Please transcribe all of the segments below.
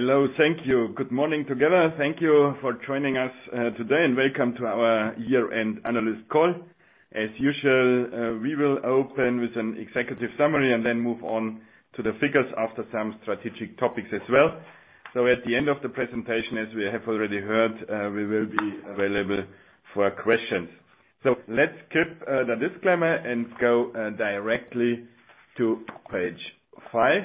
Hello. Thank you. Good morning together. Thank you for joining us today, and welcome to our Year-End Analyst Call. As usual, we will open with an executive summary and then move on to the figures after some strategic topics as well. At the end of the presentation, as we have already heard, we will be available for questions. Let's skip the disclaimer and go directly to page five.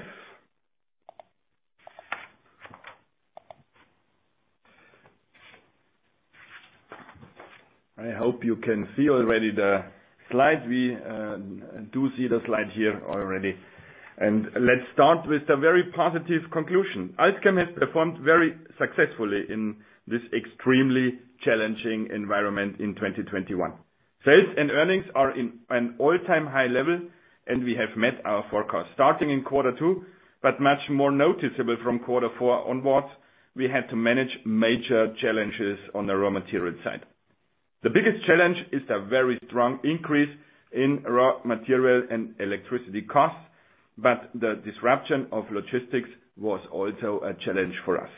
I hope you can see the slide already. We do see the slide here already. Let's start with the very positive conclusion. AlzChem has performed very successfully in this extremely challenging environment in 2021. Sales and earnings are in an all-time high level, and we have met our forecast. Starting in quarter two, but much more noticeable from quarter four onwards, we had to manage major challenges on the raw material side. The biggest challenge is the very strong increase in raw material and electricity costs, but the disruption of logistics was also a challenge for us.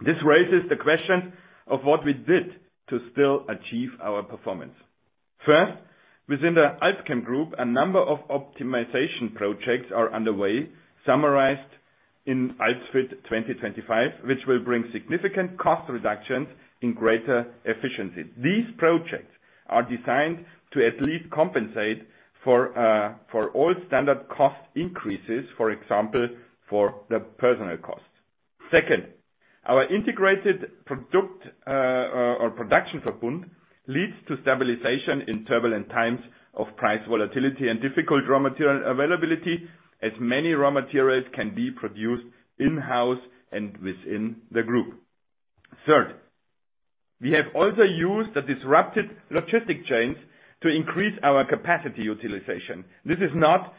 This raises the question of what we did to still achieve our performance. First, within the AlzChem Group, a number of optimization projects are underway, summarized in AlzFit 2025, which will bring significant cost reductions and greater efficiency. These projects are designed to at least compensate for all standard cost increases, for example, for the personnel costs. Second, our integrated product or production Verbund leads to stabilization in turbulent times of price volatility and difficult raw material availability, as many raw materials can be produced in-house and within the group. Third, we have also used the disrupted logistics chains to increase our capacity utilization. This is not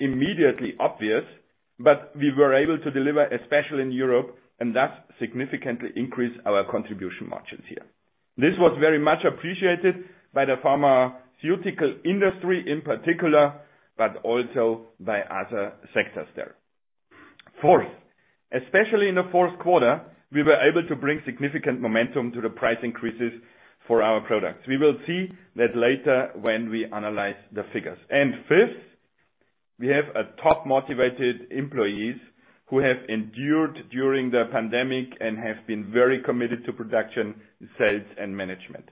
immediately obvious, but we were able to deliver, especially in Europe, and thus significantly increase our contribution margins here. This was very much appreciated by the pharmaceutical industry in particular, but also by other sectors there. Fourth, especially in the fourth quarter, we were able to bring significant momentum to the price increases for our products. We will see that later when we analyze the figures. Fifth, we have top motivated employees who have endured during the pandemic and have been very committed to production, sales, and management.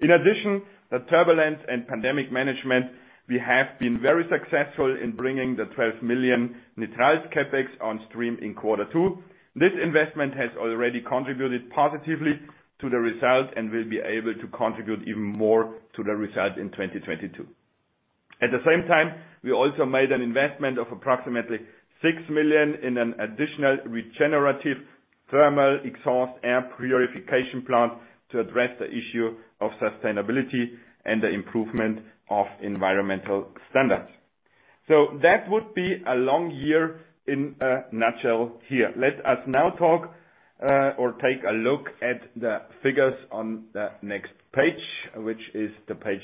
In addition to the turbulence and pandemic management, we have been very successful in bringing the 12 million Nitriles CapEx on stream in quarter two. This investment has already contributed positively to the result and will be able to contribute even more to the result in 2022. At the same time, we also made an investment of approximately 6 million in an additional regenerative thermal exhaust air purification plant to address the issue of sustainability and the improvement of environmental standards. That would be a long year in a nutshell here. Let us now talk, or take a look at the figures on the next page, which is page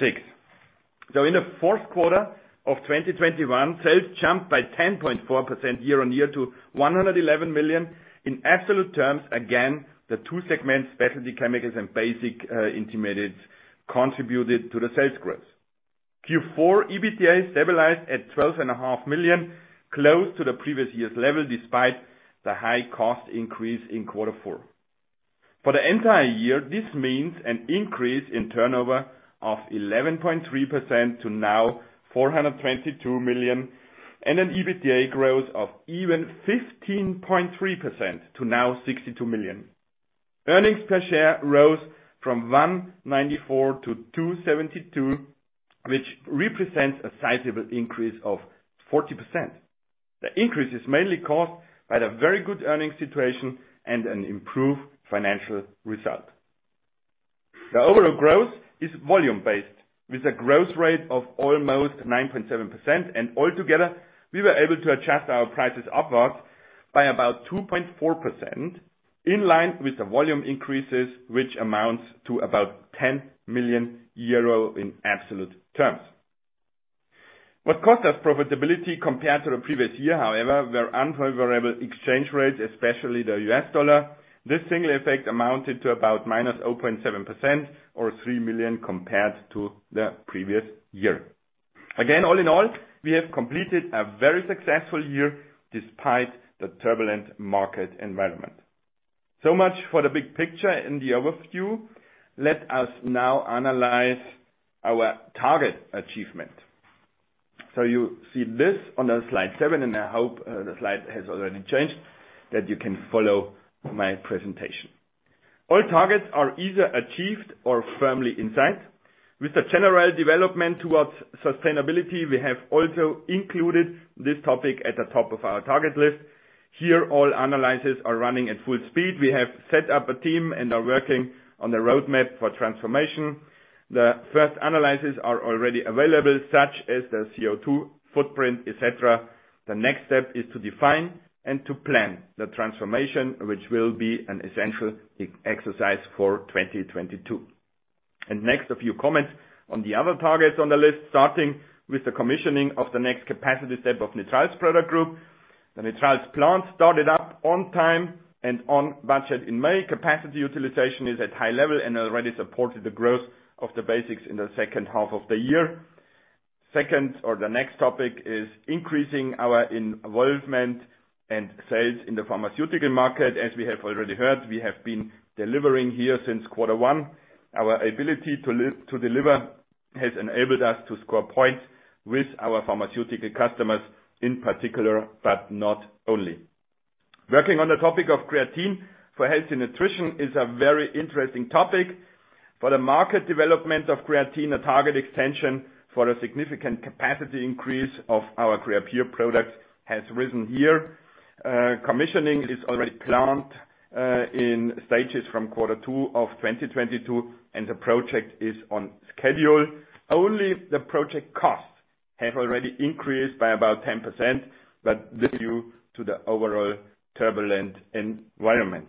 six. In the fourth quarter of 2021, sales jumped by 10.4% year-on-year to 111 million. In absolute terms, again, the two segments, Specialty Chemicals and Basics and Intermediates, contributed to the sales growth. Q4 EBITDA stabilized at 12.5 million, close to the previous year's level, despite the high cost increase in quarter four. For the entire year, this means an increase in turnover of 11.3% to EUR 422 million and an EBITDA growth of 15.3% to 62 million. Earnings per share rose from 1.94 to 2.72, which represents a sizable increase of 40%. The increase is mainly caused by the very good earnings situation and an improved financial result. The overall growth is volume-based with a growth rate of almost 9.7% and altogether, we were able to adjust our prices upwards by about 2.4%, in line with the volume increases, which amounts to 10 million euro in absolute terms. What cost us profitability compared to the previous year, however, were unfavorable exchange rates, especially the US dollar. This single effect amounted to about -0.7% or 3 million compared to the previous year. Again, all in all, we have completed a very successful year despite the turbulent market environment. Much for the big picture and the overview. Let us now analyze our target achievement. You see this on slide seven, and I hope the slide has already changed, that you can follow my presentation. All targets are either achieved or firmly in sight. With the general development towards sustainability, we have also included this topic at the top of our target list. Here, all analyses are running at full speed. We have set up a team and are working on the roadmap for transformation. The first analyses are already available, such as the CO2 footprint, et cetera. The next step is to define and to plan the transformation, which will be an essential exercise for 2022. Next, a few comments on the other targets on the list, starting with the commissioning of the next capacity step of Nitriles product group. The Nitriles plant started up on time and on budget. In May, capacity utilization is at high level and already supported the growth of Basics in the second half of the year. Second or the next topic is increasing our involvement and sales in the pharmaceutical market. As we have already heard, we have been delivering here since quarter one. Our ability to deliver has enabled us to score points with our pharmaceutical customers in particular, but not only. Working on the topic of creatine for health and nutrition is a very interesting topic. For the market development of creatine, a target extension for a significant capacity increase of our Creapure products has risen here. Commissioning is already planned in stages from quarter two of 2022, and the project is on schedule. Only the project costs have already increased by about 10%, but this is due to the overall turbulent environment.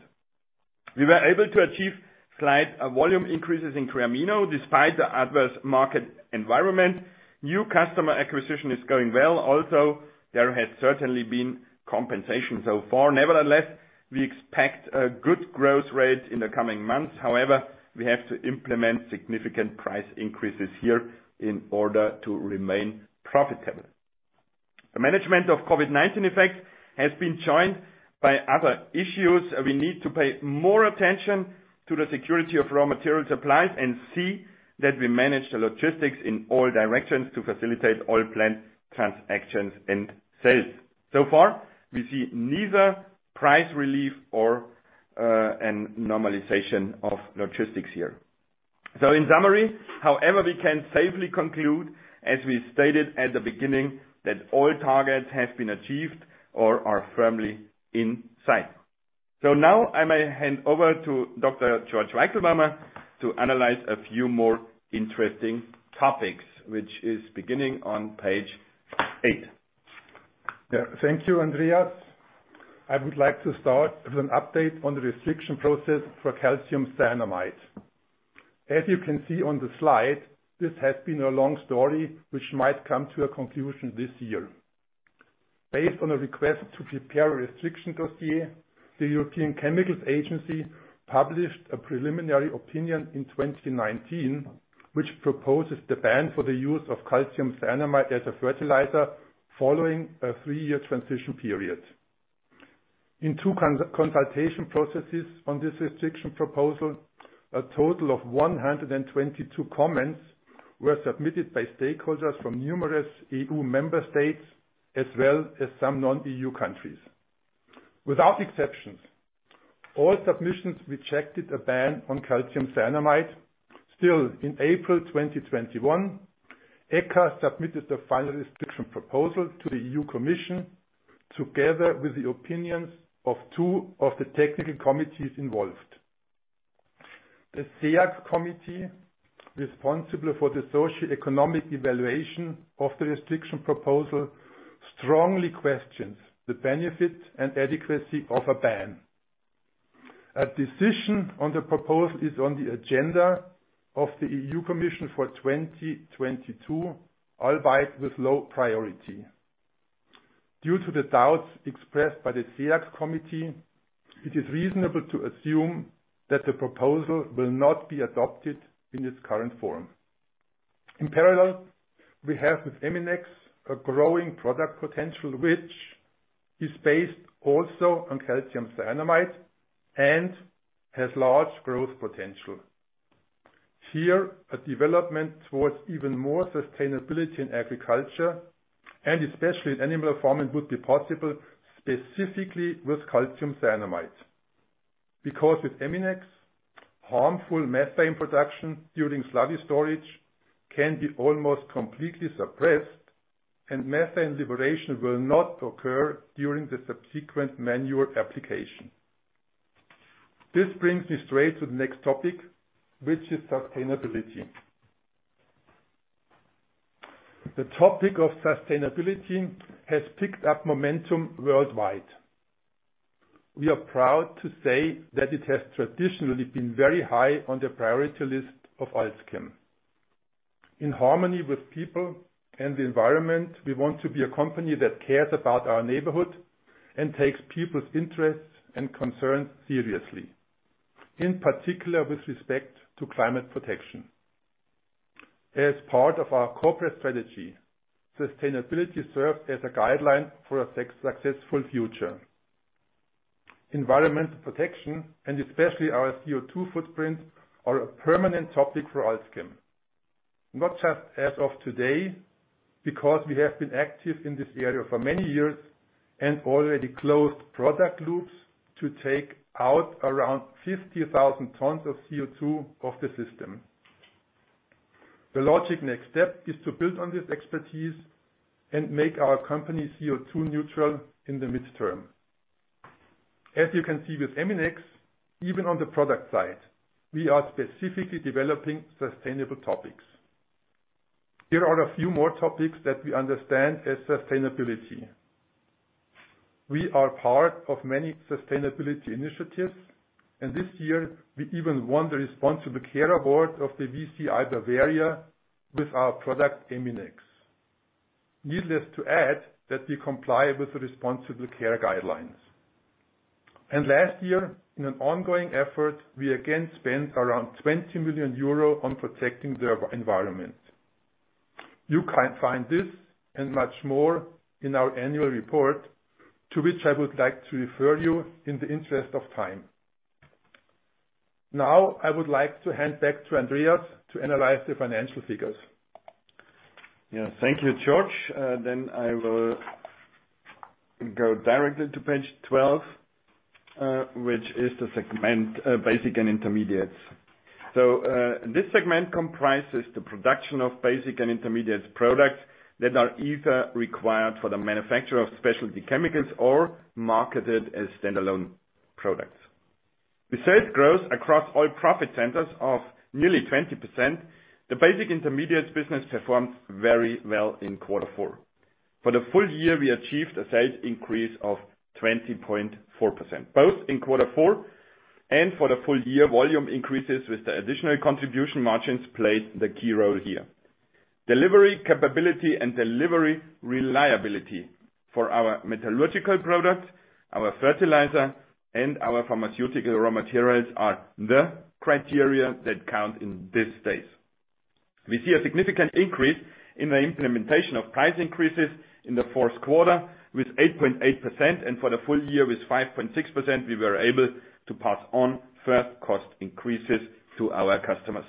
We were able to achieve slight volume increases in Creamino despite the adverse market environment. New customer acquisition is going well. Also, there has certainly been compensation so far. Nevertheless, we expect a good growth rate in the coming months. However, we have to implement significant price increases here in order to remain profitable. The management of COVID-19 effect has been joined by other issues. We need to pay more attention to the security of raw material supplies and see that we manage the logistics in all directions to facilitate all plant transactions and sales. So far, we see neither price relief or a normalization of logistics here. In summary, however, we can safely conclude, as we stated at the beginning, that all targets have been achieved or are firmly in sight. Now I may hand over to Dr. Georg Weichselbaumer to analyze a few more interesting topics, which is beginning on page eight. Yeah. Thank you, Andreas. I would like to start with an update on the restriction process for calcium cyanamide. As you can see on the slide, this has been a long story which might come to a conclusion this year. Based on a request to prepare a restriction dossier, the European Chemicals Agency published a preliminary opinion in 2019, which proposes the ban for the use of calcium cyanamide as a fertilizer following a three-year transition period. In two consultation processes on this restriction proposal, a total of 122 comments were submitted by stakeholders from numerous EU member states, as well as some non-EU countries. Without exceptions, all submissions rejected a ban on calcium cyanamide. Still, in April 2021, ECHA submitted the final restriction proposal to the EU Commission together with the opinions of two of the technical committees involved. The SEAC committee, responsible for the socioeconomic evaluation of the restriction proposal, strongly questions the benefit and adequacy of a ban. A decision on the proposal is on the agenda of the EU Commission for 2022, albeit with low priority. Due to the doubts expressed by the SEAC committee, it is reasonable to assume that the proposal will not be adopted in its current form. In parallel, we have with Eminex, a growing product potential which is based also on calcium cyanamide and has large growth potential. Here, a development towards even more sustainability in agriculture, and especially in animal farming, would be possible specifically with calcium cyanamide because with Eminex, harmful methane production during slurry storage can be almost completely suppressed, and methane liberation will not occur during the subsequent manual application. This brings me straight to the next topic, which is sustainability. The topic of sustainability has picked up momentum worldwide. We are proud to say that it has traditionally been very high on the priority list of AlzChem. In harmony with people and the environment, we want to be a company that cares about our neighborhood and takes people's interests and concerns seriously, in particular with respect to climate protection. As part of our corporate strategy, sustainability serves as a guideline for a successful future. Environmental protection, and especially our CO2 footprint, are a permanent topic for AlzChem, not just as of today, because we have been active in this area for many years and already closed product loops to take out around 50,000 tons of CO2 of the system. The logical next step is to build on this expertise and make our company CO2 neutral in the midterm. As you can see with Eminex, even on the product side, we are specifically developing sustainable topics. There are a few more topics that we understand as sustainability. We are part of many sustainability initiatives, and this year we even won the Responsible Care Award of the VCI Landesverband Bayern with our product Eminex. Needless to add that we comply with the Responsible Care guidelines. Last year, in an ongoing effort, we again spent around 20 million euro on protecting the environment. You can find this and much more in our annual report, to which I would like to refer you in the interest of time. Now, I would like to hand back to Andreas to analyze the financial figures. Yeah. Thank you, George. I will go directly to page 12, which is the segment, Basics and Intermediates. This segment comprises the production of basic and intermediate products that are either required for the manufacture of specialty chemicals or marketed as standalone products. The sales growth across all profit centers of nearly 20%, the Basics and Intermediates business performed very well in quarter four. For the full year, we achieved a sales increase of 20.4%, both in quarter four and for the full year, volume increases with the additional contribution margins played the key role here. Delivery capability and delivery reliability for our metallurgical products, our fertilizer, and our pharmaceutical raw materials are the criteria that count in this space. We see a significant increase in the implementation of price increases in the fourth quarter, with 8.8%, and for the full year with 5.6%, we were able to pass on further cost increases to our customers.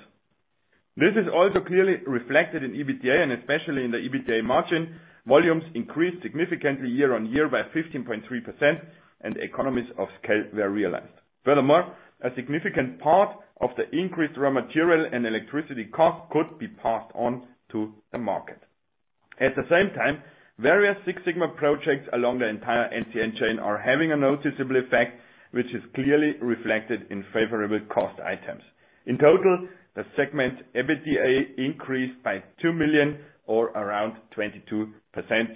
This is also clearly reflected in EBITDA, and especially in the EBITDA margin. Volumes increased significantly year-on-year by 15.3%, and the economies of scale were realized. Furthermore, a significant part of the increased raw material and electricity cost could be passed on to the market. At the same time, various Six Sigma projects along the entire NCN chain are having a noticeable effect, which is clearly reflected in favorable cost items. In total, the segment EBITDA increased by 2 million or around 22%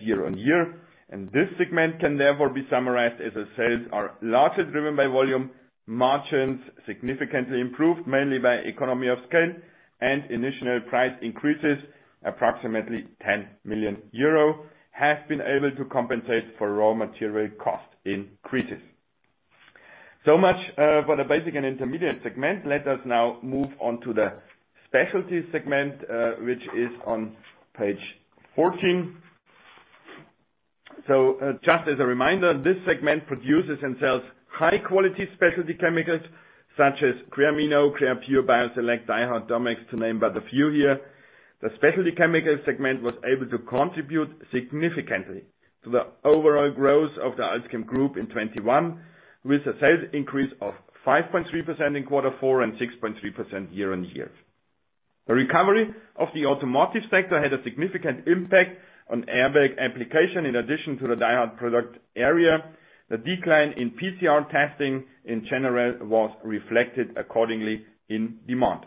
year-on-year, and this segment can therefore be summarized as the sales are largely driven by volume, margins significantly improved, mainly by economies of scale, and initial price increases, approximately 10 million euro, have been able to compensate for raw material cost increases. Much for the Basics and Intermediates segment. Let us now move on to the Specialty segment, which is on page 14. Just as a reminder, this segment produces and sells high-quality specialty chemicals such as Creamino, Creapure, BioSelect, DYHARD, Dormex, to name but a few here. The Specialty Chemicals segment was able to contribute significantly to the overall growth of the AlzChem Group in 2021, with a sales increase of 5.3% in quarter four and 6.3% year-on-year. The recovery of the automotive sector had a significant impact on airbag application in addition to the DYHARD product area. The decline in PCR testing in general was reflected accordingly in demand.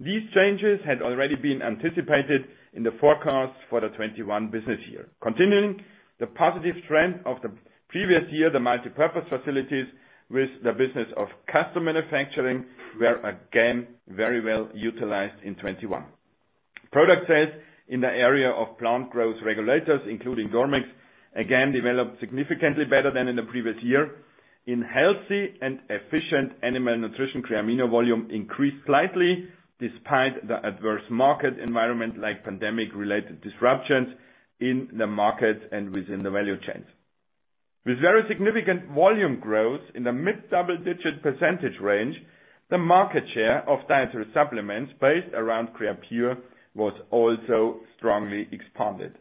These changes had already been anticipated in the forecast for the 2021 business year. Continuing the positive trend of the previous year, the multipurpose facilities with the business of custom manufacturing were again very well utilized in 2021. Product sales in the area of plant growth regulators, including Dormex, again developed significantly better than in the previous year. In healthy and efficient animal nutrition, Creamino volume increased slightly despite the adverse market environment like pandemic-related disruptions in the market and within the value chains. With very significant volume growth in the mid double-digit percentage range, the market share of dietary supplements based around Creapure was also strongly expanded.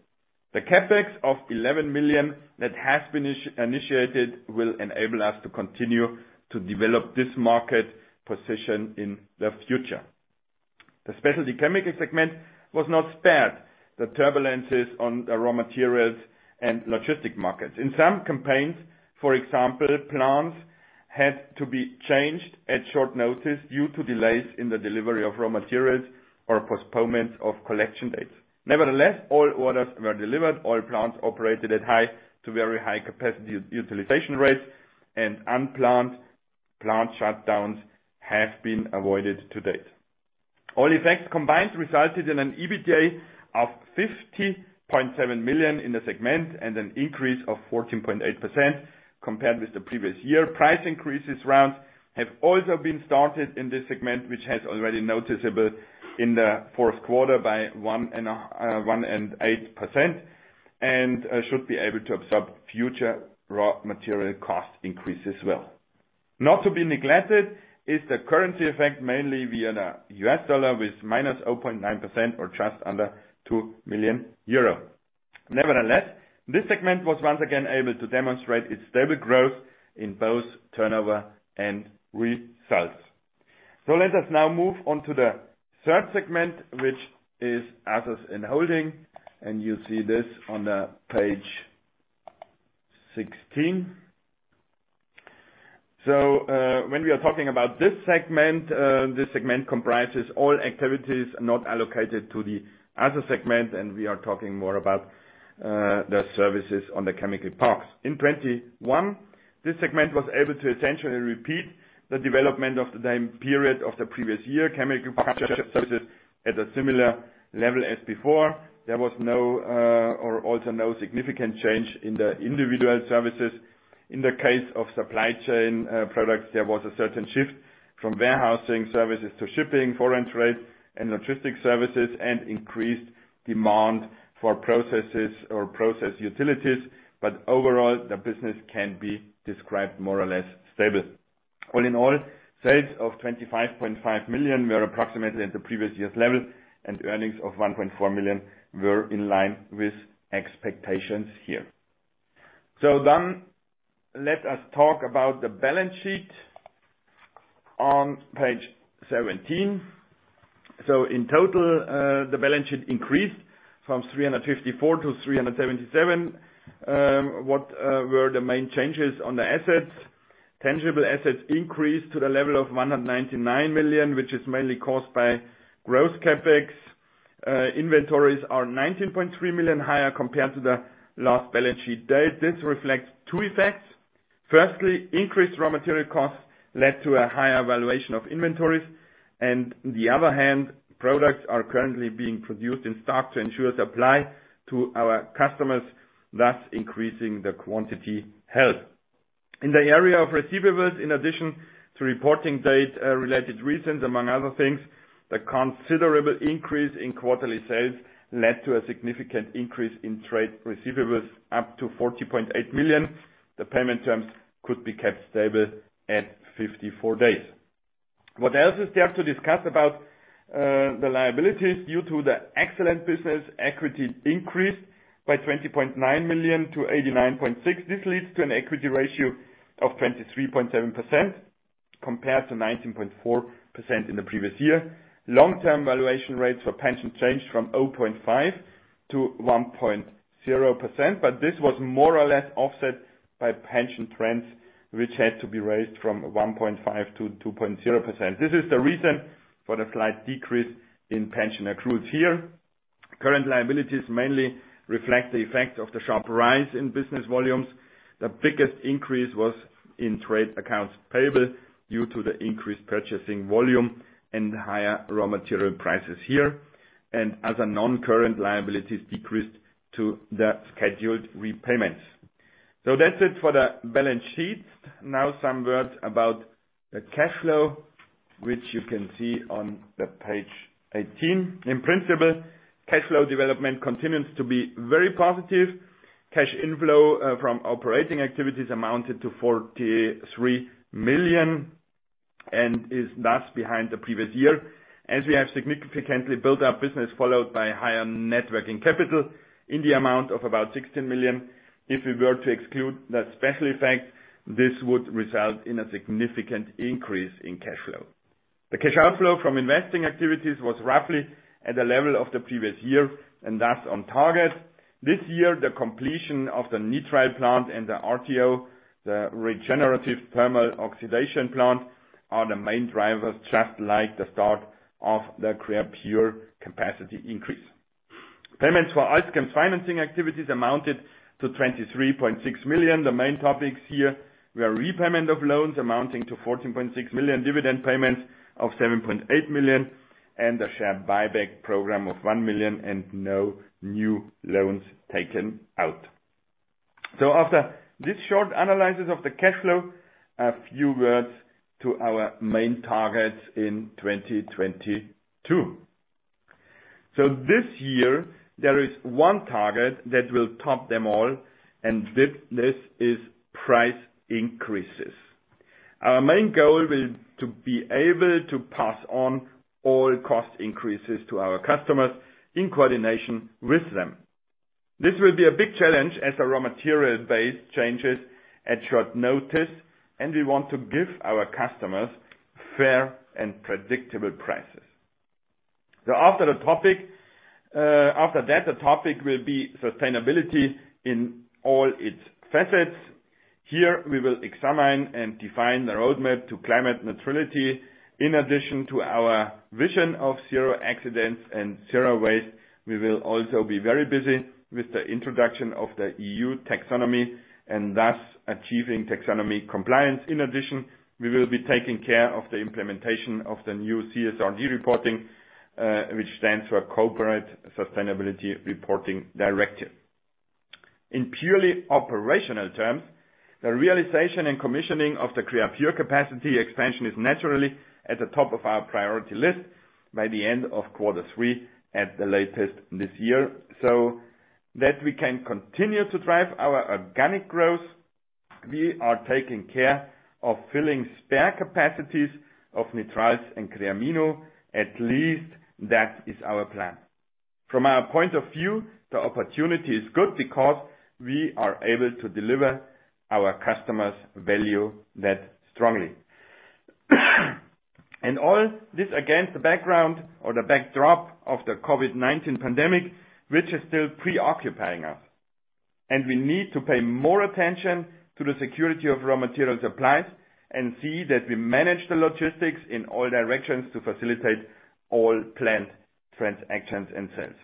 The CapEx of 11 million that has been initiated will enable us to continue to develop this market position in the future. The Specialty Chemicals segment was not spared the turbulences on the raw materials and logistic markets. In some campaigns, for example, plants had to be changed at short notice due to delays in the delivery of raw materials or postponements of collection dates. Nevertheless, all orders were delivered, all plants operated at high to very high capacity utilization rates, and unplanned plant shutdowns have been avoided to date. All effects combined resulted in an EBITDA of 50.7 million in the segment and an increase of 14.8% compared with the previous year. Price increase rounds have also been started in this segment, which has already been noticeable in the fourth quarter by 1.8%, and should be able to absorb future raw material cost increases as well. Not to be neglected is the currency effect, mainly via the US dollar with -0.9% or just under 2 million euro. Nevertheless, this segment was once again able to demonstrate its stable growth in both turnover and results. Let us now move on to the third segment, which is Other & Holding, and you see this on page 16. When we are talking about this segment, this segment comprises all activities not allocated to the other segments, and we are talking more about the services on the chemical parks. In 2021, this segment was able to essentially repeat the development of the same period of the previous year. Chemical services at a similar level as before. There was no or also no significant change in the individual services. In the case of supply chain products, there was a certain shift from warehousing services to shipping, foreign trade, and logistics services, and increased demand for processes or process utilities. Overall, the business can be described more or less stable. All in all, sales of 25.5 million were approximately at the previous year's level, and earnings of 1.4 million were in line with expectations here. Let us talk about the balance sheet on page 17. In total, the balance sheet increased from 354 to 377. What were the main changes on the assets? Tangible assets increased to 199 million, which is mainly caused by gross CapEx. Inventories are 19.3 million higher compared to the last balance sheet date. This reflects two effects. Firstly, increased raw material costs led to a higher valuation of inventories. On the other hand, products are currently being produced in stock to ensure supply to our customers, thus increasing the quantity held. In the area of receivables, in addition to reporting date related reasons, among other things, the considerable increase in quarterly sales led to a significant increase in trade receivables upto 40.8 million. The payment terms could be kept stable at 54 days. What else is there to discuss about the liabilities? Due to the excellent business, equity increased by 20.9 million to 89.6 million. This leads to an equity ratio of 23.7% compared to 19.4% in the previous year. Long-term valuation rates for pension changed from 0.5% to 1.0%, but this was more or less offset by pension trends, which had to be raised from 1.5% to 2.0%. This is the reason for the slight decrease in pension accrues here. Current liabilities mainly reflect the effect of the sharp rise in business volumes. The biggest increase was in trade accounts payable due to the increased purchasing volume and higher raw material prices here. Other non-current liabilities decreased to the scheduled repayments. That's it for the balance sheet. Now some words about the cash flow, which you can see on page 18. In principle, cash flow development continues to be very positive. Cash inflow from operating activities amounted to 43 million and is thus behind the previous year, as we have significantly built our business, followed by higher net working capital in the amount of about 16 million. If we were to exclude that special effect, this would result in a significant increase in cash flow. The cash outflow from investing activities was roughly at the level of the previous year, and thus on target. This year, the completion of the nitrile plant and the RTO, the regenerative thermal oxidation plant, are the main drivers, just like the start of the Creapure capacity increase. Payments for outflow financing activities amounted to 23.6 million. The main topics here were repayment of loans amounting to 14.6 million, dividend payments of 7.8 million, and the share buyback program of 1 million, and no new loans taken out. After this short analysis of the cash flow, a few words to our main targets in 2022. This year, there is one target that will top them all, and this is price increases. Our main goal is to be able to pass on all cost increases to our customers in coordination with them. This will be a big challenge as our raw material base changes at short notice, and we want to give our customers fair and predictable prices. After that, the topic will be sustainability in all its facets. Here we will examine and define the roadmap to climate neutrality. In addition to our vision of zero accidents and zero waste, we will also be very busy with the introduction of the EU Taxonomy and thus achieving Taxonomy compliance. In addition, we will be taking care of the implementation of the new CSRD reporting, which stands for Corporate Sustainability Reporting Directive. In purely operational terms, the realization and commissioning of the Creapure capacity expansion is naturally at the top of our priority list by the end of quarter three at the latest this year. That we can continue to drive our organic growth, we are taking care of filling spare capacities of nitriles and Creamino, at least that is our plan. From our point of view, the opportunity is good because we are able to deliver our customers value that strongly. All this against the background or the backdrop of the COVID-19 pandemic, which is still preoccupying us. We need to pay more attention to the security of raw material supplies and see that we manage the logistics in all directions to facilitate all planned transactions and sales.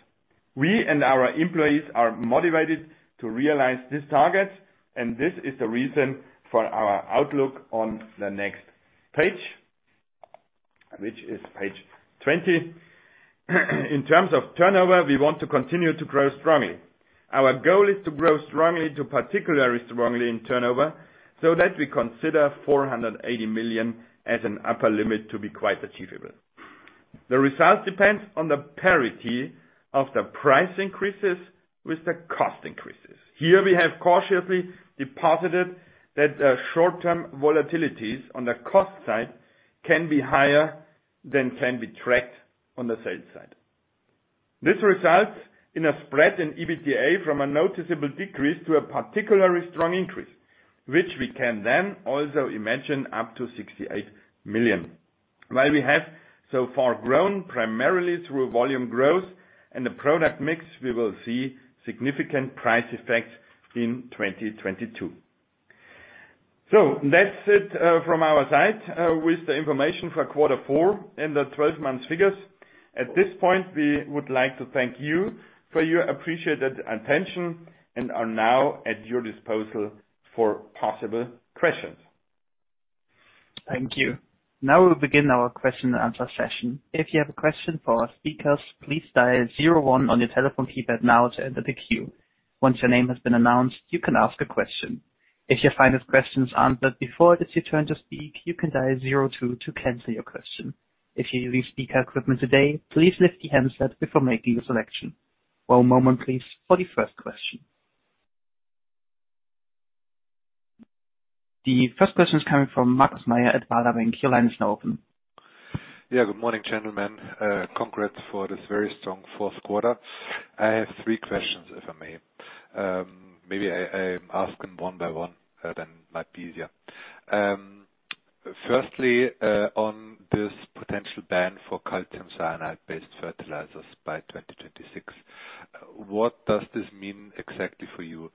We and our employees are motivated to realize these targets, and this is the reason for our outlook on the next page, which is page 20. In terms of turnover, we want to continue to grow strongly. Our goal is to grow strongly, to particularly strongly in turnover, so that we consider 480 million as an upper limit to be quite achievable. The result depends on the parity of the price increases with the cost increases. Here we have cautiously deposited that, short-term volatilities on the cost side can be higher than can be tracked on the sales side. This results in a spread in EBITDA from a noticeable decrease to a particularly strong increase, which we can then also imagine up to 68 million. While we have so far grown primarily through volume growth and the product mix, we will see significant price effects in 2022. That's it, from our side, with the information for quarter four and the 12-month figures. At this point, we would like to thank you for your appreciated attention and are now at your disposal for possible questions. Thank you. Now we'll begin our question and answer session. If you have a question for our speakers, please dial zero one on your telephone keypad now to enter the queue. Once your name has been announced, you can ask a question. If you find your question's answered before it is your turn to speak, you can dial zero two to cancel your question. If you're using speaker equipment today, please lift the handset before making your selection. One moment, please, for the first question. The first question is coming from Markus Mayer at Baader Bank. Your line is now open. Yeah. Good morning, gentlemen. Congrats for this very strong fourth quarter. I have three questions, if I may. Maybe I ask them one by one, then it might be easier. Firstly, on this potential ban for calcium cyanamide-based fertilizers by 2026, what does this mean exactly for you?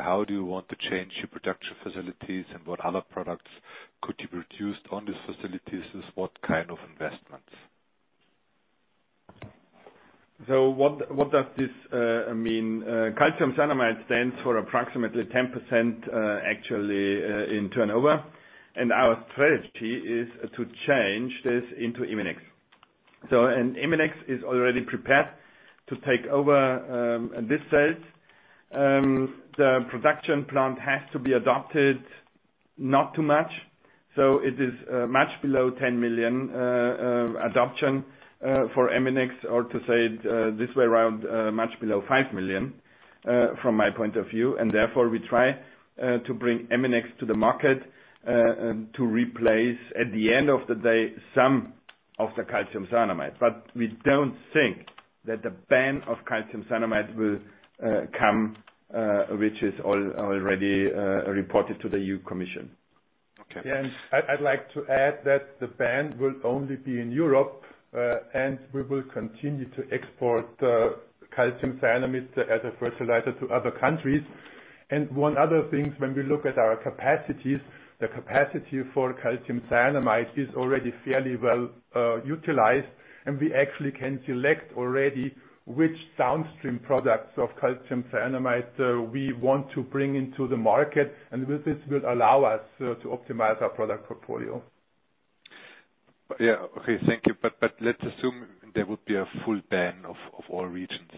How do you want to change your production facilities, and what other products could you produce on these facilities? What kind of investments? What does this mean? Calcium cyanamide stands for approximately 10%, actually, in turnover, and our strategy is to change this into Eminex. Eminex is already prepared to take over this sales. The production plant has to be adapted, not too much. It is much below 10 million adaptation for Eminex or to say it this way around, much below 5 million, from my point of view. Therefore, we try to bring Eminex to the market to replace, at the end of the day, some of the calcium cyanamide. We don't think that the ban of calcium cyanamide will come, which is already reported to the EU Commission. Okay. Yeah. I'd like to add that the ban will only be in Europe, and we will continue to export calcium cyanamide as a fertilizer to other countries. One other thing, when we look at our capacities, the capacity for calcium cyanamide is already fairly well utilized, and we actually can select already which downstream products of calcium cyanamide we want to bring into the market, and with this will allow us to optimize our product portfolio. Yeah. Okay. Thank you. Let's assume there would be a full ban of all regions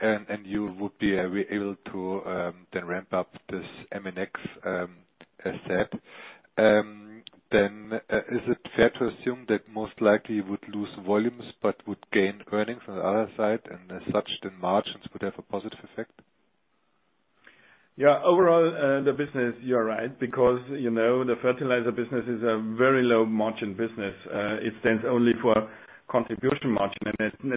and you would be able to then ramp up this Eminex asset. Is it fair to assume that most likely you would lose volumes but would gain earnings on the other side and as such, the margins would have a positive effect? Yeah. Overall, the business, you're right, because, you know, the fertilizer business is a very low-margin business. It stands only for contribution margin.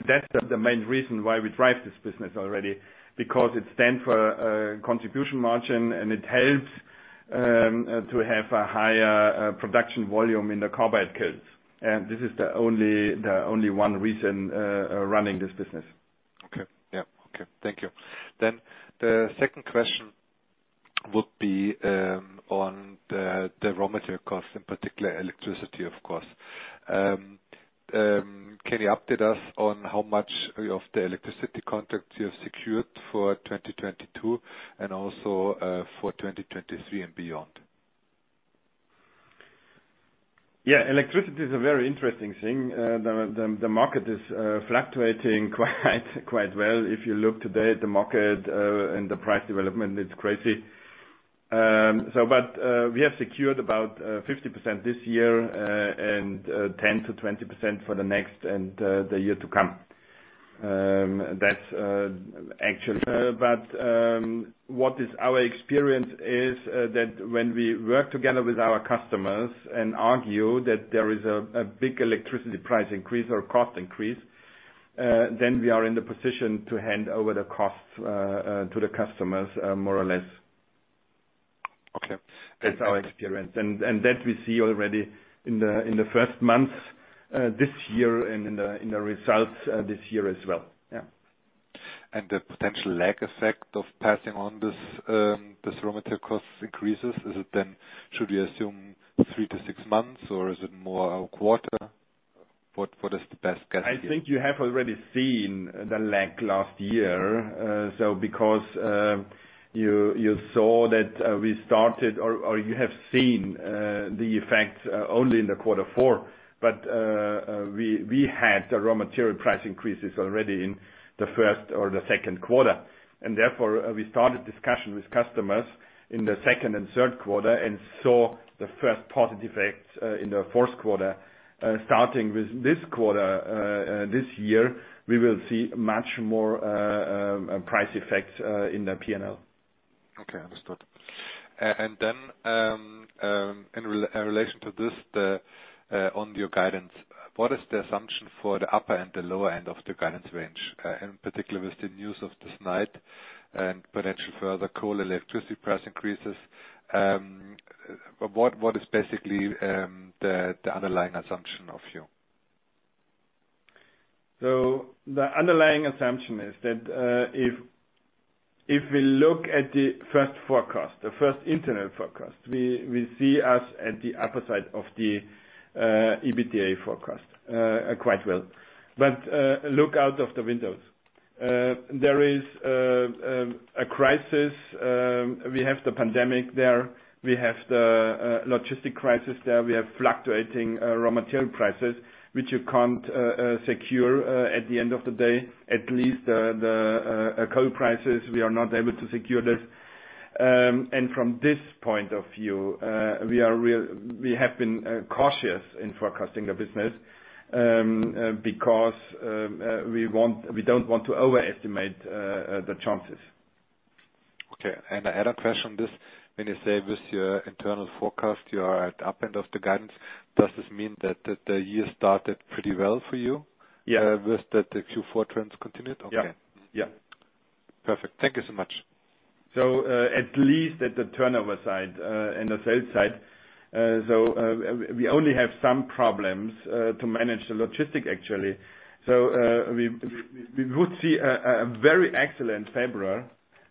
That's the main reason why we drive this business already, because it stand for contribution margin, and it helps to have a higher production volume in the carbide case. This is the only one reason running this business. Okay. Yeah. Okay. Thank you. The second question would be on the raw material costs, in particular, electricity, of course. Can you update us on how much of the electricity contracts you have secured for 2022 and also for 2023 and beyond? Electricity is a very interesting thing. The market is fluctuating quite well. If you look today at the market and the price development, it's crazy. We have secured about 50% this year, and 10%-20% for the next and the year to come. That's actually what our experience is, that when we work together with our customers and argue that there is a big electricity price increase or cost increase, then we are in the position to hand over the costs to the customers, more or less. That's our experience. That we see already in the first months this year and in the results this year as well. Yeah. The potential lag effect of passing on this raw material cost increases, is it then should we assume three to six months, or is it more a quarter? What is the best guess here? I think you have already seen the lag last year. You saw that you have seen the effect only in quarter four. We had the raw material price increases already in the first or the second quarter. Therefore, we started discussion with customers in the second and third quarter and saw the first positive effects in the fourth quarter. Starting with this quarter this year, we will see much more price effects in the P&L. Okay, understood. In relation to this, then on your guidance, what is the assumption for the upper and the lower end of the guidance range, in particular with the news of tonight and potential further coal and electricity price increases? What is basically the underlying assumption of you? The underlying assumption is that if we look at the first forecast, the first internal forecast, we see us at the upper side of the EBITDA forecast quite well. Look out of the windows. There is a crisis, we have the pandemic there. We have the logistic crisis there. We have fluctuating raw material prices, which you can't secure at the end of the day. At least the coal prices, we are not able to secure this. From this point of view, we have been cautious in forecasting the business because we don't want to overestimate the chances. Okay. I had a question on this. When you say with your internal forecast, you are at the upper end of the guidance, does this mean that the year started pretty well for you? Yeah. With that the Q4 trends continued? Yeah. Okay. Yeah. Perfect. Thank you so much. At least at the turnover side and the sales side, we would see a very excellent February,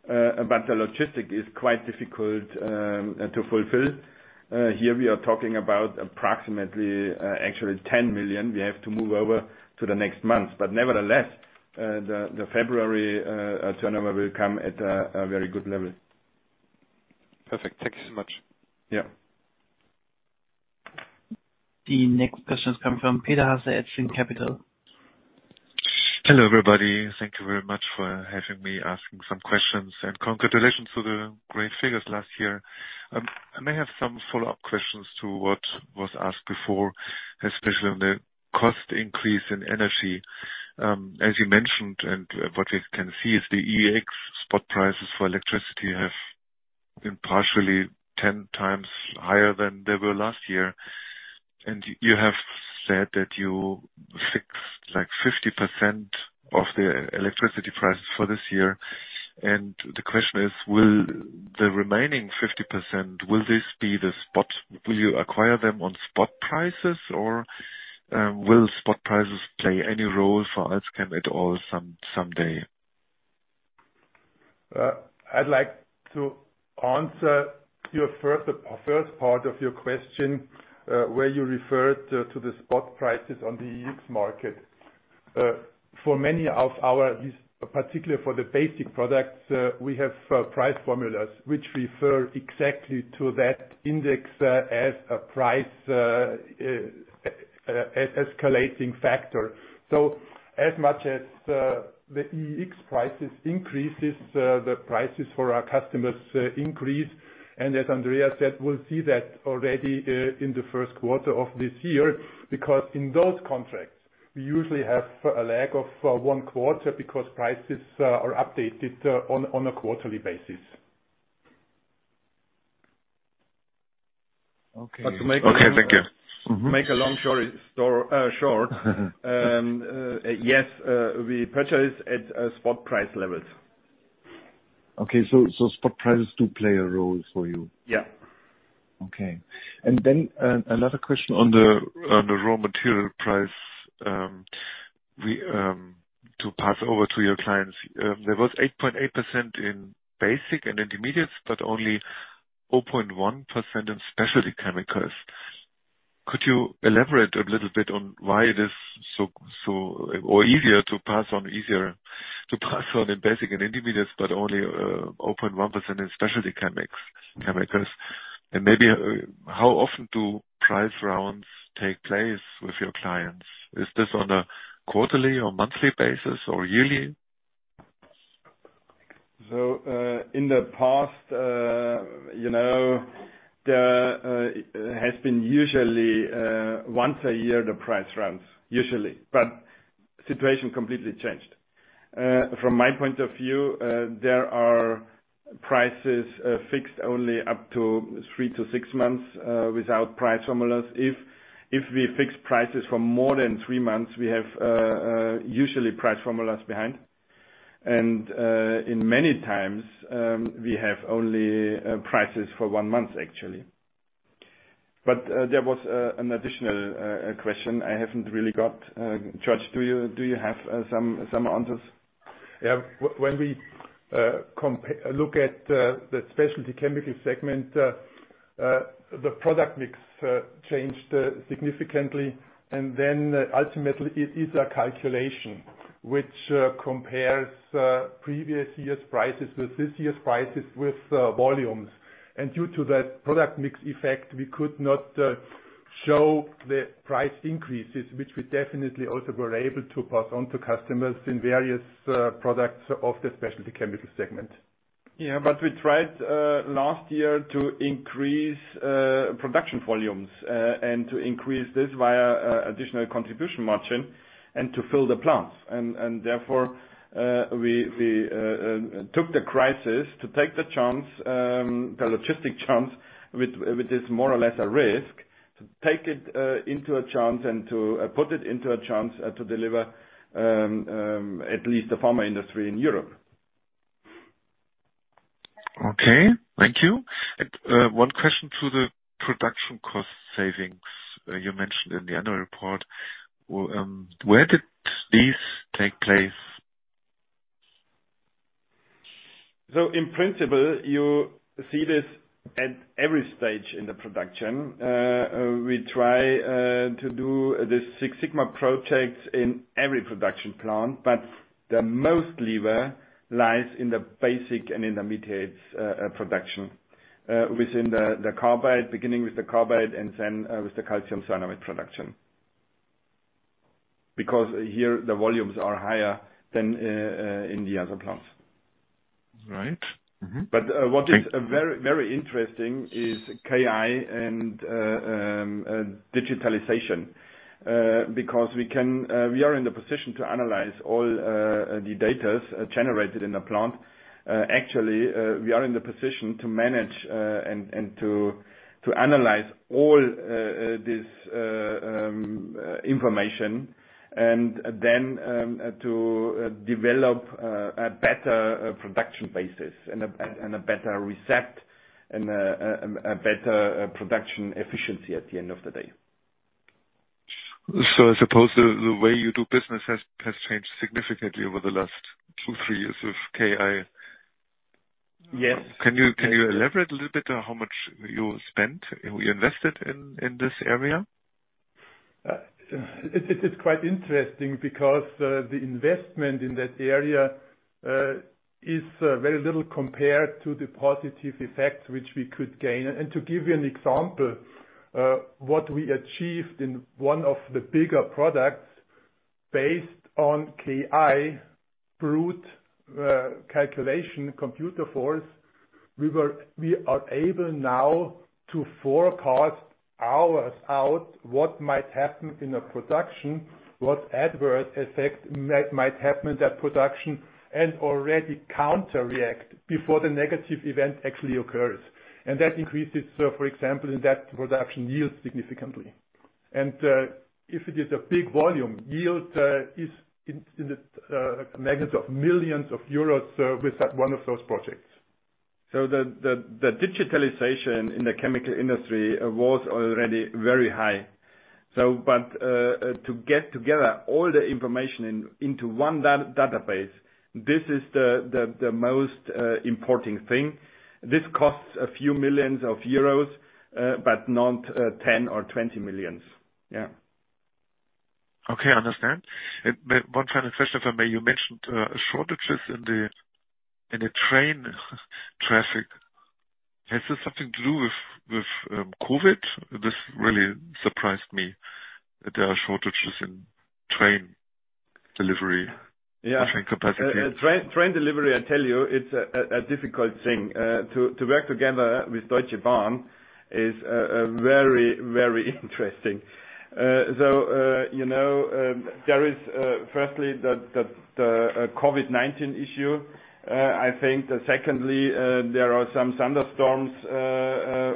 but the logistics is quite difficult to fulfill. Here, we are talking about approximately, actually 10 million we have to move over to the next month. Nevertheless, the February turnover will come at a very good level. Perfect. Thank you so much. Yeah. The next question is coming from Peter Hauser at zCapital. Hello, everybody. Thank you very much for having me asking some questions. Congratulations to the great figures last year. I may have some follow-up questions to what was asked before, especially on the cost increase in energy. As you mentioned, and what we can see is the EEX spot prices for electricity have been partially 10 times higher than they were last year. You have said that you fixed, like, 50% of the electricity prices for this year. The question is, will the remaining 50%, will this be the spot? Will you acquire them on spot prices, or, will spot prices play any role for AlzChem at all someday? I'd like to answer your first part of your question, where you referred to the spot prices on the EEX market. For many of our, particularly for the basic products, we have price formulas which refer exactly to that index, as a price escalating factor. As much as the EEX prices increases, the prices for our customers increase. As Andreas said, we'll see that already in the first quarter of this year. Because in those contracts, we usually have a lag of one quarter because prices are updated on a quarterly basis. Okay. Okay, thank you. Mm-hmm. To make a long story short, yes, we purchase at spot price levels. Okay. Spot prices do play a role for you? Yeah. Another question on the raw material price pass-through to your clients. There was 8.8% in Basics and Intermediates, but only 0.1% in Specialty Chemicals. Could you elaborate a little bit on why it is so much easier to pass on in Basics and Intermediates, but only 0.1% in Specialty Chemicals? Maybe how often do price rounds take place with your clients? Is this on a quarterly or monthly basis or yearly? In the past, you know, there has been usually once a year the price rounds, usually. Situation completely changed. From my point of view, there are prices fixed only up to three to six months without price formulas. If we fix prices for more than three months, we have usually price formulas behind. In many times, we have only prices for one month actually. There was an additional question I haven't really got. Georg, do you have some answers? When we look at the Specialty Chemicals segment, the product mix changed significantly. Ultimately it is a calculation which compares previous years' prices with this year's prices with volumes. Due to that product mix effect, we could not show the price increases, which we definitely also were able to pass on to customers in various products of the Specialty Chemicals segment. Yeah. We tried last year to increase production volumes and to increase this via additional contribution margin and to fill the plants. Therefore, we took the crisis to take the chance, the logistic chance with this more or less a risk, to take it into a chance and to put it into a chance to deliver at least the pharma industry in Europe. Okay. Thank you. One question to the production cost savings you mentioned in the annual report. Where did these take place? In principle, you see this at every stage in the production. We try to do the Six Sigma projects in every production plant, but the most leverage lies in the Basics and Intermediates production, within the carbide, beginning with the carbide and then with the calcium cyanamide production. Because here the volumes are higher than in the other plants. Right. What is very, very interesting is AI and digitalization, because we are in the position to analyze all the data generated in the plant. Actually, we are in the position to manage and to analyze all this information and then to develop a better production basis and a better result and a better production efficiency at the end of the day. I suppose the way you do business has changed significantly over the last two, three years with AI. Yes. Can you elaborate a little bit on how much you spent, you invested in this area? It is quite interesting because the investment in that area is very little compared to the positive effects which we could gain. To give you an example, what we achieved in one of the bigger products based on AI brute force calculation, computing power, we are able now to forecast hours out what might happen in a production, what adverse effect might happen in that production, and already counteract before the negative event actually occurs. That increases, for example, in that production yield significantly. If it is a big volume, yield is in the magnitude of millions of Euros with one of those projects. The digitalization in the chemical industry was already very high. To get together all the information into one database, this is the most important thing. This costs a few million Euros, but not 10 or 20 million Euros. Okay. Understand. One final question, if I may. You mentioned shortages in the train traffic. Has this something to do with COVID? This really surprised me that there are shortages in train delivery. Yeah. train capacity. Train delivery, I tell you, it's a difficult thing. To work together with Deutsche Bahn is a very interesting. You know, there is firstly the COVID-19 issue. I think that secondly, there are some thunderstorms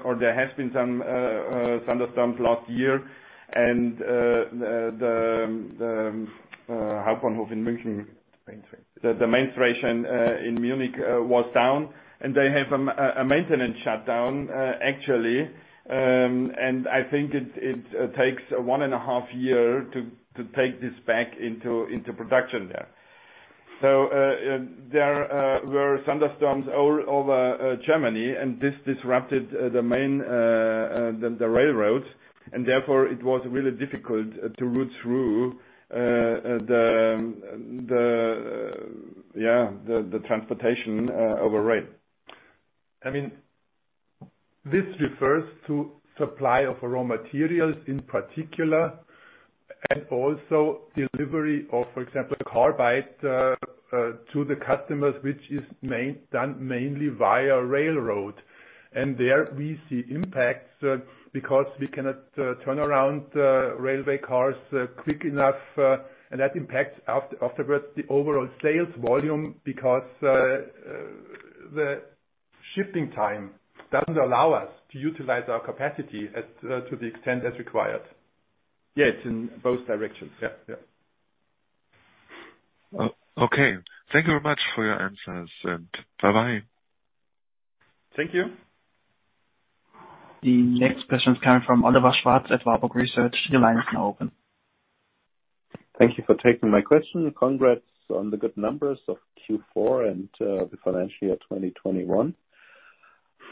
or there has been some thunderstorms last year and the, Main station. The main station in Munich was down, and they have a maintenance shutdown, actually. I think it takes one and a half year to take this back into production there. There were thunderstorms over Germany, and this disrupted the main railroad, and therefore it was really difficult to route through the transportation over rail. I mean, this refers to supply of raw materials in particular, and also delivery of, for example, carbide, to the customers, which is mainly done via railroad. There we see impacts, because we cannot turn around railway cars quick enough, and that impacts afterwards the overall sales volume because the shipping time doesn't allow us to utilize our capacity to the extent as required. Yeah, it's in both directions. Yeah, yeah. Okay. Thank you very much for your answers, and bye-bye. Thank you. The next question is coming from Oliver Schwarz at Warburg Research. Your line is now open. Thank you for taking my question. Congrats on the good numbers of Q4 and the financial year 2021.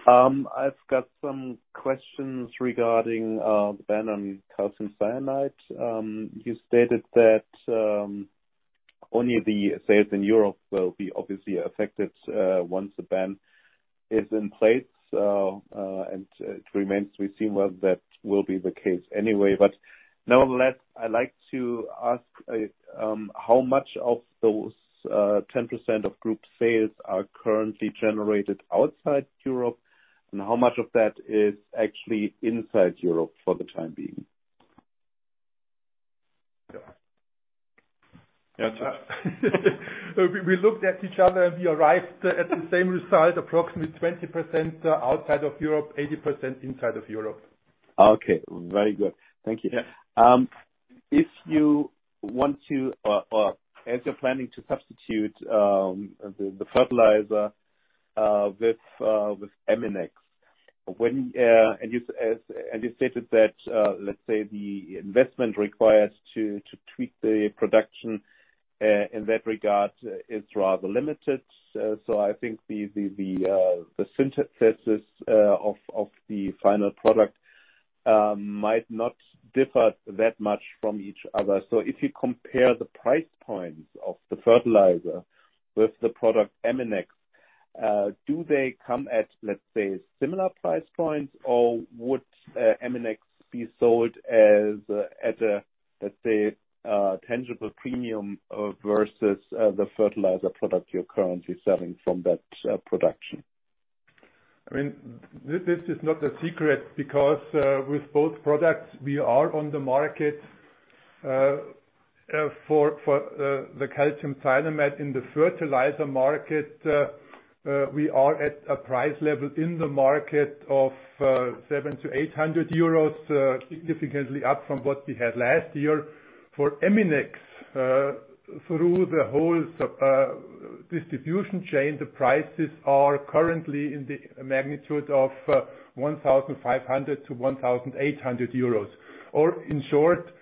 I've got some questions regarding the ban on calcium cyanamide. You stated that only the sales in Europe will be obviously affected once the ban is in place. It remains to be seen whether that will be the case anyway. Nonetheless, I'd like to ask how much of those 10% of group sales are currently generated outside Europe, and how much of that is actually inside Europe for the time being? Yeah. That's it. We looked at each other, and we arrived at the same result, approximately 20% outside of Europe, 80% inside of Europe. Okay, very good. Thank you. Yeah. If you want to, as you're planning to substitute the fertilizer with Eminex, and you stated that, let's say the investment required to tweak the production in that regard is rather limited. I think the synthesis of the final product might not differ that much from each other. If you compare the price points of the fertilizer with the product Eminex, do they come at, let's say, similar price points, or would Eminex be sold at a, let's say, a tangible premium versus the fertilizer product you're currently selling from that production? I mean, this is not a secret because with both products we are on the market for the calcium cyanamide in the fertilizer market, we are at a price level in the market of 700-800 euros, significantly up from what we had last year. For Eminex, through the whole distribution chain, the prices are currently in the magnitude of 1,500-1,800 euros. In short,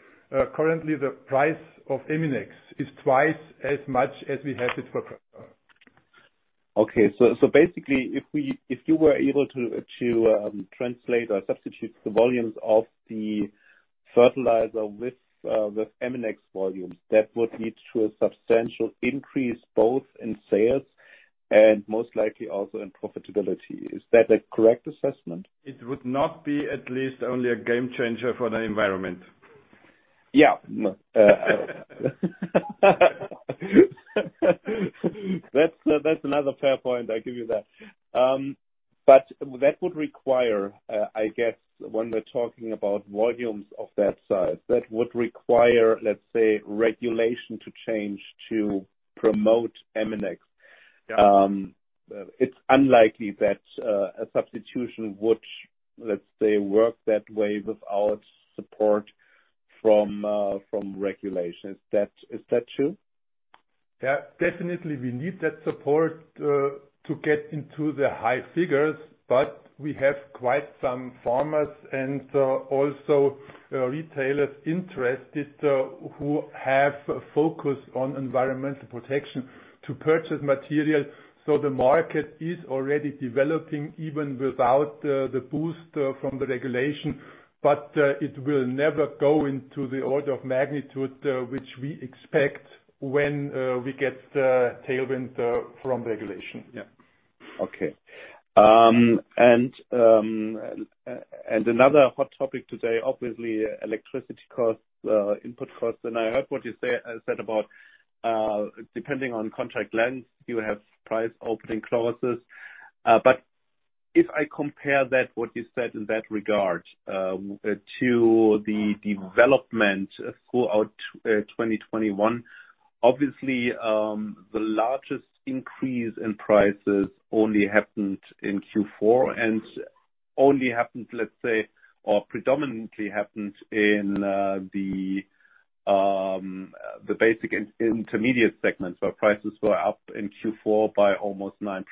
currently the price of Eminex is twice as much as we had it for. Okay. Basically, if you were able to translate or substitute the volumes of the fertilizer with Eminex volumes, that would lead to a substantial increase both in sales and most likely also in profitability. Is that a correct assessment? It would not be at least only a game changer for the environment. Yeah. No. That's another fair point, I give you that. That would require, I guess, when we're talking about volumes of that size, let's say, regulation to change to promote Eminex. Yeah. It's unlikely that a substitution would, let's say, work that way without support from regulation. Is that true? Yeah. Definitely, we need that support to get into the high figures, but we have quite some farmers and also retailers interested who have a focus on environmental protection to purchase material. The market is already developing even without the boost from the regulation, but it will never go into the order of magnitude which we expect when we get the tailwind from regulation. Yeah. Okay, another hot topic today, obviously electricity costs, input costs, and I heard what you said about, depending on contract length, you have price opening clauses. If I compare that, what you said in that regard, to the development throughout 2021, obviously, the largest increase in prices only happened in Q4, or predominantly happened in the Basics and Intermediates segment, where prices were up in Q4 by almost 9%,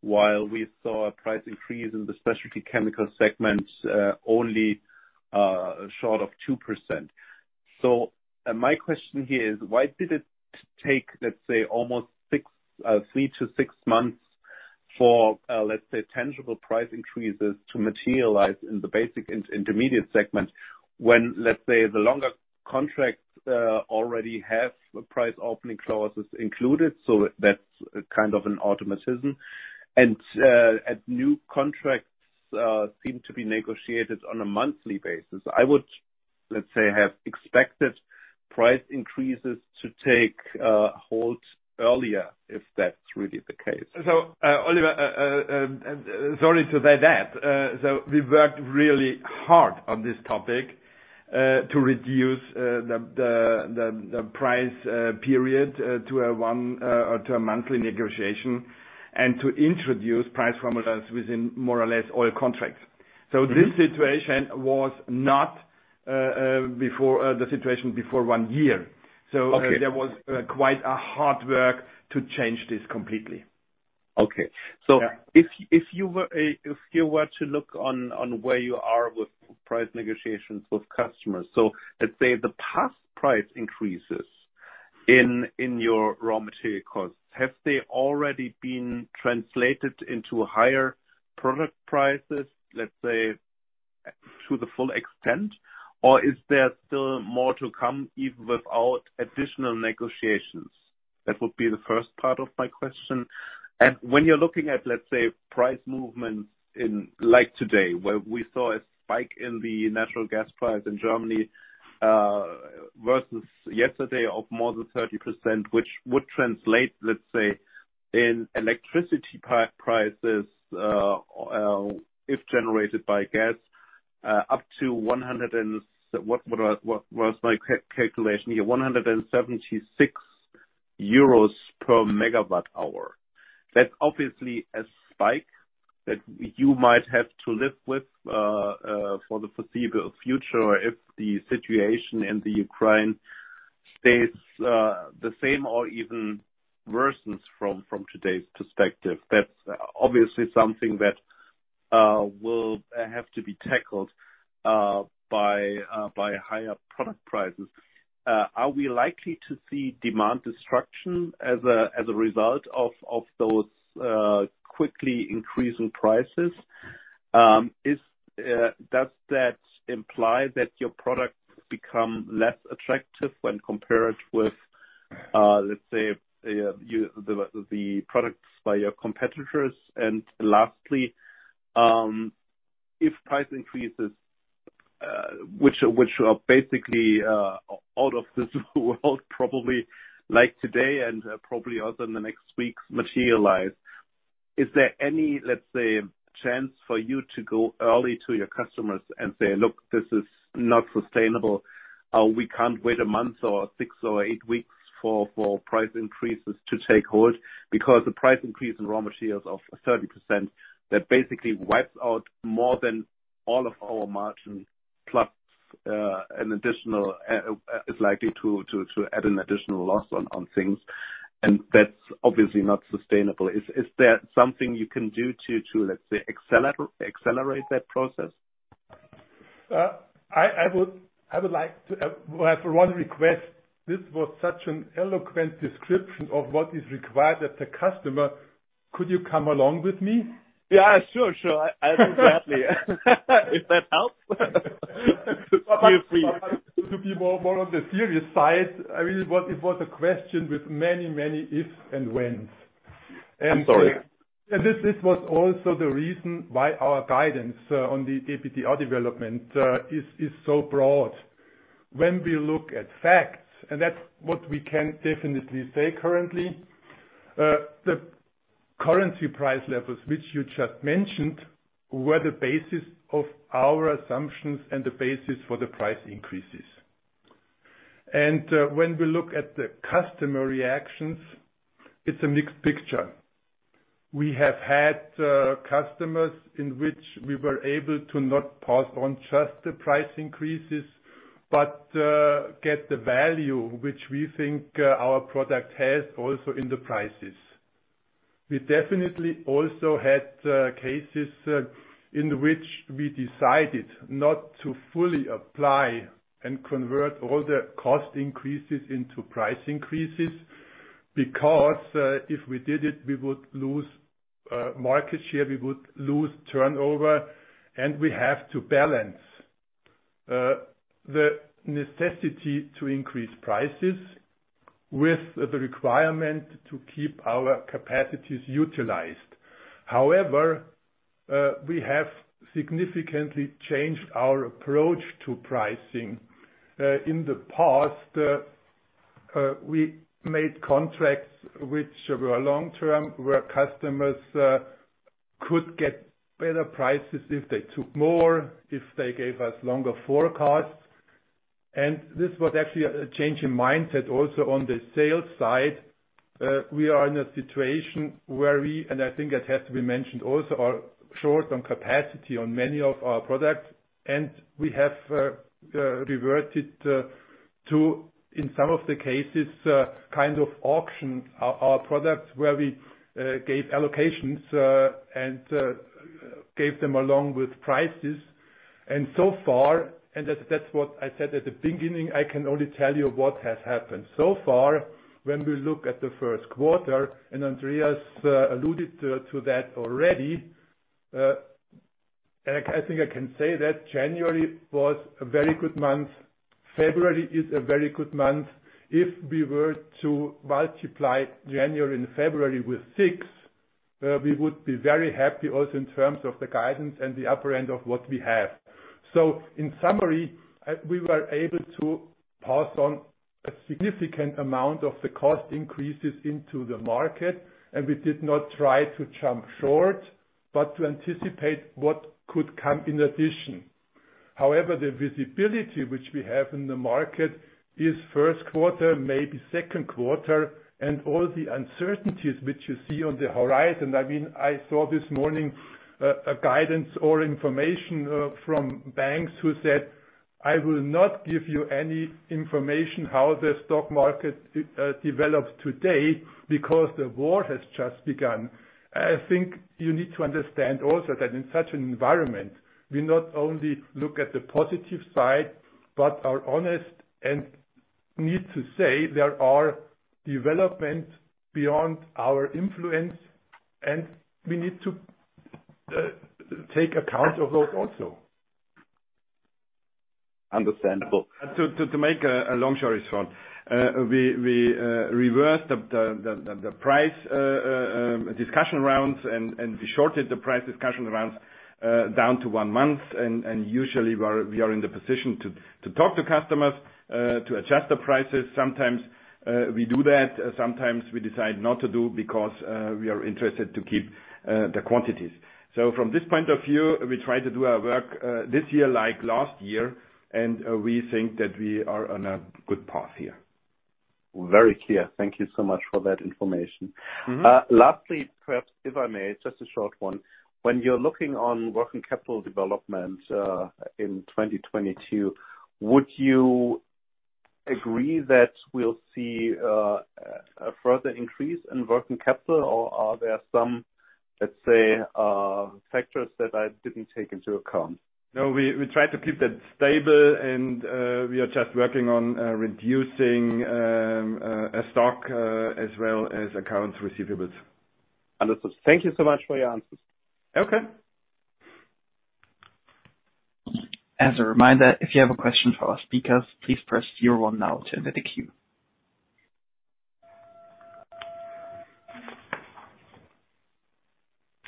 while we saw a price increase in the Specialty Chemicals segment only short of 2%. My question here is, why did it take, let's say, three to six months for, let's say, tangible price increases to materialize in the Basics and Intermediates segment, when, let's say, the longer contracts already have price opening clauses included, so that's kind of an automatism. As new contracts seem to be negotiated on a monthly basis, I would, let's say, have expected price increases to take hold earlier, if that's really the case. Oliver, and sorry to say that, so we worked really hard on this topic to reduce the price period to a one or to a monthly negotiation and to introduce price formulas within more or less all contracts. This situation was not before the situation before one year. Okay. There was quite a hard work to change this completely. Okay. Yeah. If you were to look at where you are with price negotiations with customers, let's say the past price increases in your raw material costs, have they already been translated into higher product prices, let's say, to the full extent? Or is there still more to come even without additional negotiations? That would be the first part of my question. When you're looking at, let's say, price movements like today, where we saw a spike in the natural gas price in Germany versus yesterday of more than 30%, which would translate, let's say, in electricity prices if generated by gas up to 176 per MWh. What was my calculation here? That's obviously a spike that you might have to live with for the foreseeable future if the situation in the Ukraine stays the same or even worsens from today's perspective. That's obviously something that will have to be tackled by higher product prices. Are we likely to see demand destruction as a result of those quickly increasing prices? Does that imply that your products become less attractive when compared with, let's say, the products by your competitors? Lastly, if price increases, which are basically out of this world, probably like today and probably also in the next weeks materialize, is there any, let's say, chance for you to go early to your customers and say, "Look, this is not sustainable. We can't wait a month or six or eight weeks for price increases to take hold because the price increase in raw materials of 30% that basically wipes out more than all of our margins plus an additional is likely to add an additional loss on things. And that's obviously not sustainable." Is there something you can do to, let's say, accelerate that process? I would like to, well, I have one request. This was such an eloquent description of what is required as the customer. Could you come along with me? Yeah, sure. I will gladly. If that helps. Feel free. To be more on the serious side, I mean, it was a question with many ifs and whens. I'm sorry. This was also the reason why our guidance on the EBITDA development is so broad. When we look at facts, and that's what we can definitely say currently, the current price levels, which you just mentioned, were the basis of our assumptions and the basis for the price increases. When we look at the customer reactions, it's a mixed picture. We have had customers in which we were able to pass on not just the price increases, but get the value which we think our product has also in the prices. We definitely also had cases in which we decided not to fully apply and convert all the cost increases into price increases, because if we did it, we would lose market share, we would lose turnover, and we have to balance the necessity to increase prices with the requirement to keep our capacities utilized. However, we have significantly changed our approach to pricing. In the past, we made contracts which were long-term, where customers could get better prices if they took more, if they gave us longer forecasts. This was actually a change in mindset also on the sales side. We are in a situation where we, and I think it has to be mentioned also, are short on capacity on many of our products, and we have reverted to, in some of the cases, kind of auctioned our products, where we gave allocations and gave them along with prices. So far, and that's what I said at the beginning, I can only tell you what has happened. So far, when we look at the first quarter, and Andreas alluded to that already, and I think I can say that January was a very good month. February is a very good month. If we were to multiply January and February with six, we would be very happy also in terms of the guidance and the upper end of what we have. In summary, we were able to pass on a significant amount of the cost increases into the market, and we did not try to jump short, but to anticipate what could come in addition. However, the visibility which we have in the market is first quarter, maybe second quarter, and all the uncertainties which you see on the horizon. I mean, I saw this morning, a guidance or information from banks who said, "I will not give you any information how the stock market develops today because the war has just begun." I think you need to understand also that in such an environment, we not only look at the positive side, but are honest and need to say there are developments beyond our influence, and we need to take account of those also. Understandable. To make a long story short, we reversed the price discussion rounds and we shortened the price discussion rounds down to one month. Usually we are in the position to talk to customers to adjust the prices. Sometimes we do that, sometimes we decide not to do because we are interested to keep the quantities. From this point of view, we try to do our work this year like last year, and we think that we are on a good path here. Very clear. Thank you so much for that information. Mm-hmm. Lastly, perhaps if I may, just a short one. When you're looking on working capital development, in 2022, would you agree that we'll see a further increase in working capital or are there some, let's say, factors that I didn't take into account? No, we try to keep that stable and we are just working on reducing a stock as well as accounts receivables. Understood. Thank you so much for your answers. Okay. As a reminder, if you have a question for our speakers, please press zero one now to enter the queue.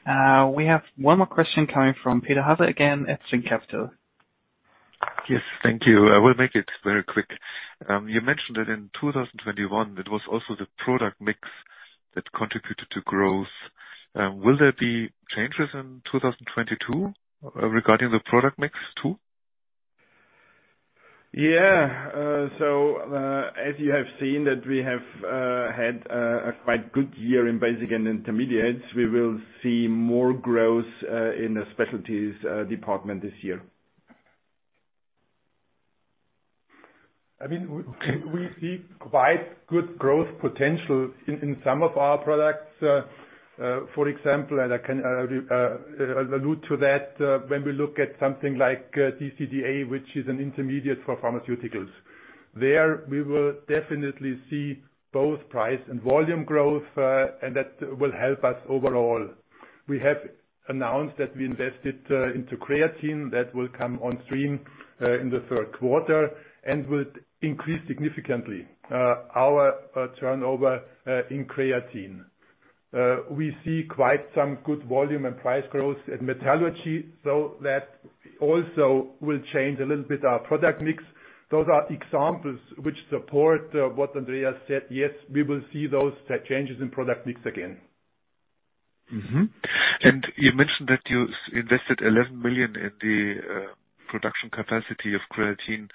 We have one more question coming from Peter Hauser again at zCapital. Yes. Thank you. I will make it very quick. You mentioned that in 2021, it was also the product mix that contributed to growth. Will there be changes in 2022 regarding the product mix, too? As you have seen that we have had a quite good year in Basics and Intermediates, we will see more growth in Specialty Chemicals this year. I mean, we see quite good growth potential in some of our products. For example, and I can allude to that when we look at something like TCCA, which is an intermediate for pharmaceuticals. There, we will definitely see both price and volume growth, and that will help us overall. We have announced that we invested into creatine. That will come on stream in the third quarter and will increase significantly our turnover in creatine. We see quite some good volume and price growth in metallurgy, so that also will change a little bit our product mix. Those are examples which support what Andreas said. Yes, we will see those changes in product mix again. Mm-hmm. You mentioned that you invested 11 million in the production capacity of creatine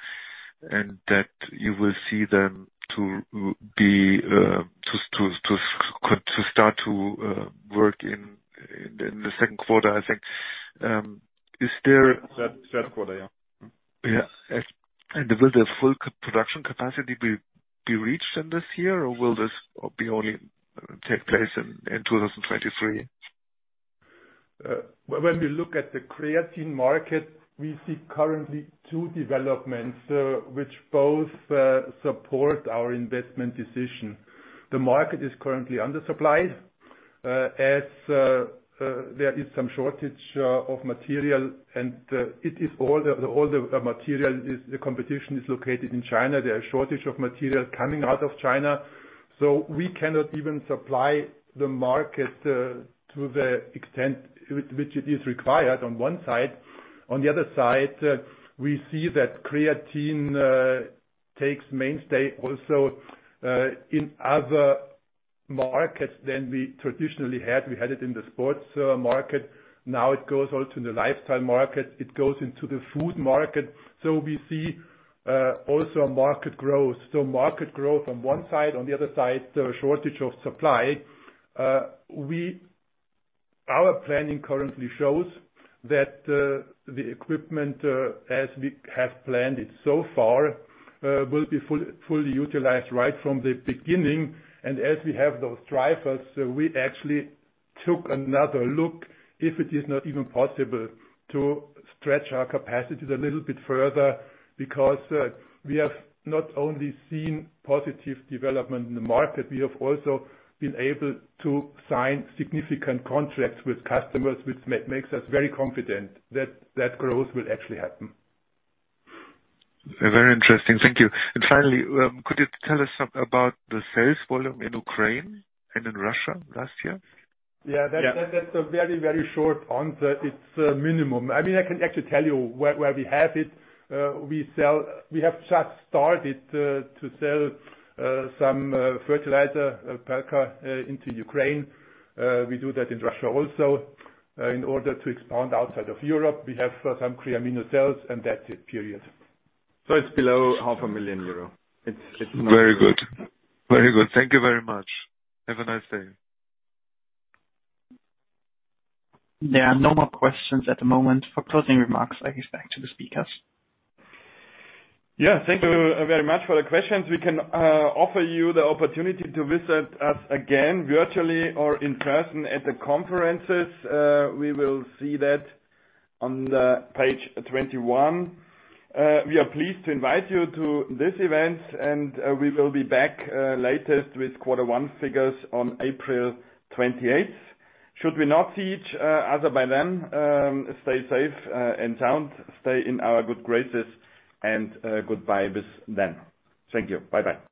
and that you will see them to start to work in the second quarter, I think. Is there- Third quarter, yeah. Will the full production capacity be reached this year or will this only take place in 2023? When we look at the creatine market, we see currently two developments, which both support our investment decision. The market is currently undersupplied, as there is some shortage of material, and all the material is the competition located in China. There are shortage of material coming out of China. We cannot even supply the market to the extent which it is required, on one side. On the other side, we see that creatine takes mainstay also in other markets than we traditionally had. We had it in the sports market. Now it goes out to the lifestyle market. It goes into the food market. We see also a market growth. Market growth on one side. On the other side, the shortage of supply. Our planning currently shows that the equipment, as we have planned it so far, will be fully utilized right from the beginning. As we have those drivers, we actually took another look if it is not even possible to stretch our capacities a little bit further because we have not only seen positive development in the market, we have also been able to sign significant contracts with customers, which makes us very confident that that growth will actually happen. Very interesting. Thank you. Finally, could you tell us something about the sales volume in Ukraine and in Russia last year? Yeah. Yeah, that's a very short answer. It's minimum. I mean, I can actually tell you where we have it. We have just started to sell some fertilizer, Perlka, into Ukraine. We do that in Russia also. In order to expand outside of Europe, we have some Creamino sales and that's it, period. It's below half a million Euro. Very good. Very good. Thank you very much. Have a nice day. There are no more questions at the moment. For closing remarks, I give back to the speakers. Yeah. Thank you very much for the questions. We can offer you the opportunity to visit us again virtually or in person at the conferences. We will see that on page 21. We are pleased to invite you to this event, and we will be back latest with quarter one figures on 28 April. Should we not see each other by then, stay safe and sound, stay in our good graces, and goodbye [bis dann]. Thank you. Bye-bye.